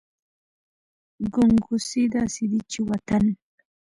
ګنګوسې داسې دي چې وطن …